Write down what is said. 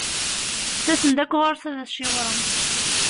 Ttasen-d akk ɣur-s ad t-ciwren.